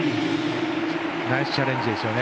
ナイスチャレンジですよね。